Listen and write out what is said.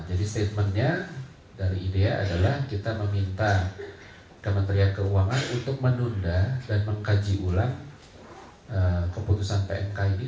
jadi statementnya dari idea adalah kita meminta kementerian keuangan untuk menunda dan mengkaji ulang keputusan pmk ini